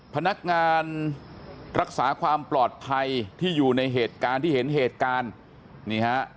พนักงานรักษาความปลอดภัยที่อยู่ในเหตุการณ์ที่เห็นเหตุการณ์นี่ฮะ